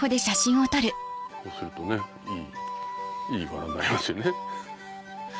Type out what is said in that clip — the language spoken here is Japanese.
こうするとねいい柄になりますよね。